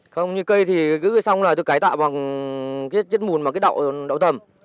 không như cây thì cứ xong là tôi cải tạo bằng chất mùn bằng cái đậu tầm